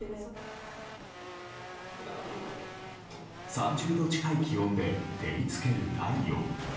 ３０度近い気温で照りつける太陽。